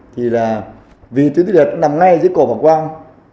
thì là vì tuyến tiến liệt nó nằm ngay dưới cổ phỏng quang